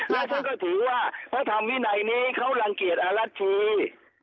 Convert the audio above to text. แล้วท่านก็ถือว่าพระธรรมวินัยนี้เขารังเกียจอรัชชี